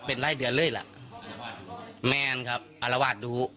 เป็นรายเดือนเลยล่ะแมนครับอารวาสดู